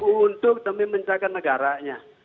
untuk demi menjaga negaranya